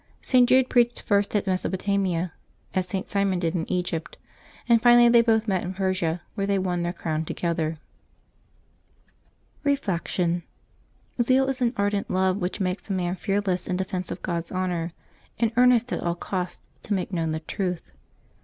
St. Jude preached first in Mesopotamia, as St. Simon did in Egypt; and finally they both met in Persia, where they won their crown together. 346 LIVES OF THE SAINTS [Octobee 29 Reflection. — Zeal is an ardent love which makes a man fearless in defence of Grod's honor, and earnest at all costs to make known the truth.